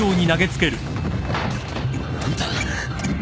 ・何だ！？